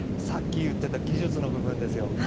さっき言ってた技術の部分ですよ。